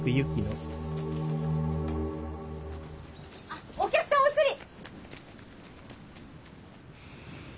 あっお客さんお釣り！